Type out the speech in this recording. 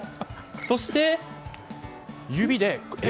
そして、指でえ？